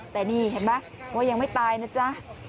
แต่นี่เห็นไหมว่ายังไม่ตายนะจ๊ะ